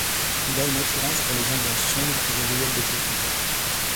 Il a une attirance pour les ambiances sombres et les ruelles de Pékin.